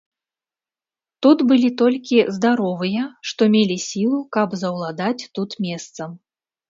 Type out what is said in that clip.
Тут былі толькі здаровыя, што мелі сілу, каб заўладаць тут месцам.